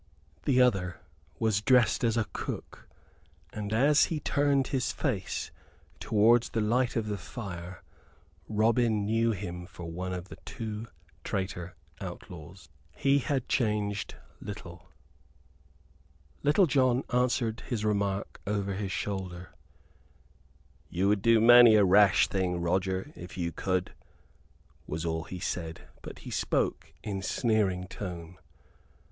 The other was dressed as a cook, and as he turned his face towards the light of the fire Robin knew him for one of the two traitor outlaws. He had changed little. Little John answered his remark over his shoulder: "You would do many a rash thing, Roger, if you could," was all he said; but he spoke in sneering tone.